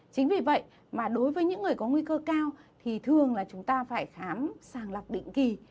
chính vì vậy mà đối với những người có nguy cơ cao thì thường là chúng ta phải khám sàng lọc định kỳ